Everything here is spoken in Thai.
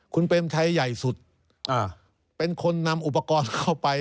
คุณเปรมชัยใหญ่สุดเป็นคนนำอุปกรณ์เข้าไป